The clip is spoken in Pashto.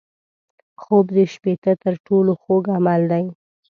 خوب د شپه تر ټولو خوږ عمل دی